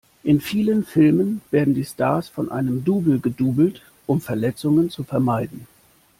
In vielen Filmen werden die Stars von einem Double gedoublet um Verletzungen zu vermeiden.